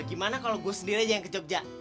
gimana kalau gue sendiri aja yang ke jogja